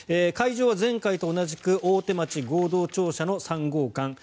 会場は前回と同じく大手町合同庁舎の３号館。